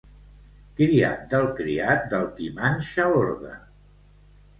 Criat del criat del qui manxa l'orgue.